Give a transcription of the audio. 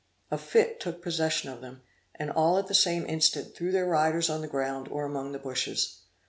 A fit took possession of them, and all at the same instant threw their riders on the ground, or among the bushes.